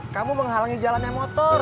kamu menghalangi jalannya motor